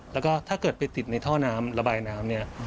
แล้วก็ถ้าเกิดไปติดในท่อน้ำระบายน้ำเนี่ย